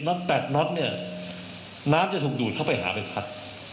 น้ำจะถูกดูดเข้าไปหาใบพัด